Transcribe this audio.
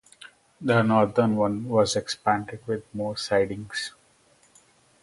The northern one was expanded with more sidings.